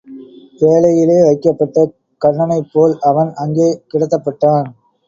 பேழையிலே வைக்கப்பட்ட கன்னனைப் போல் அவன் அங்கே கிடத்தப்பட்டான்.